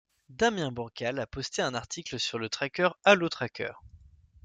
Damien Bancal a posté un article sur le tracker AlloTracker.